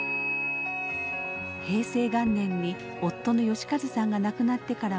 平成元年に夫の嘉一さんが亡くなってからはひとり暮らし。